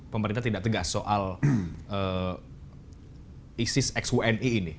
pemerintah tidak tegas soal isis xuni ini